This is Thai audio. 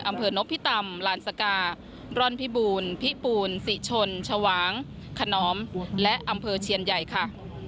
อำเภอนพิตำลานสการ่อนพิบูลพิปูนศรีชนชวางขนอมและอำเภอเชียนใหญ่ค่ะ